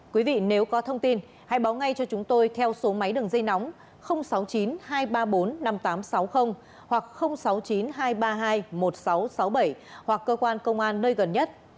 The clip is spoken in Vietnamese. quý vị nếu có thông tin hãy báo ngay cho chúng tôi theo số máy đường dây nóng sáu mươi chín hai trăm ba mươi bốn năm nghìn tám trăm sáu mươi hoặc sáu mươi chín hai trăm ba mươi hai một nghìn sáu trăm sáu mươi bảy hoặc cơ quan công an nơi gần nhất